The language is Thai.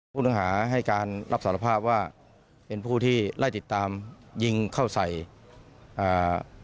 ผู้ต้องหาให้การรับสารภาพว่าเป็นผู้ที่ไล่ติดตามยิงเข้าใส่อ่า